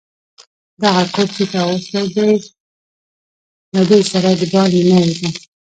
دغه کوټ چي تا اغوستی، له دې سره دباندي مه وزه.